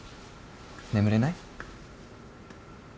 眠れない？